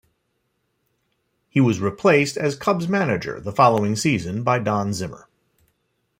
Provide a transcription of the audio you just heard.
He was replaced as Cubs manager the following season by Don Zimmer.